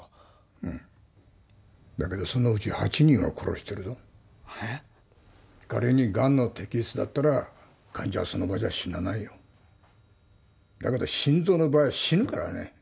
うんだけどそのうち８人は殺してるぞ仮にガンの摘出なら患者はその場じゃ死なないよだけど心臓の場合は死ぬからね